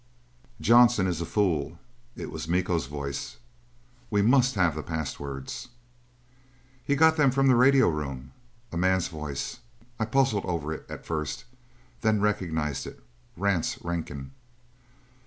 "Johnson is a fool." It was Miko's voice. "We must have the passwords." "He got them from the radio room." A man's voice: I puzzled over it at first, then recognized it. Rance Rankin.